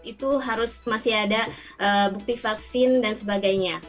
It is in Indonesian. itu harus masih ada bukti vaksin dan sebagainya